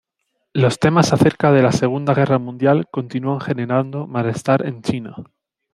Los temas acerca de la Segunda Guerra Mundial continúan generando malestar en China.